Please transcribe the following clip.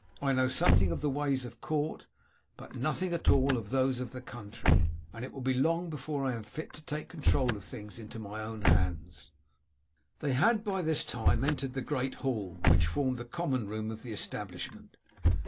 I know something of the ways of court, but nothing at all of those of the country, and it will be long before I am fit to take the control of things into my own hands." They had by this time entered the great hall which formed the common room of the establishment.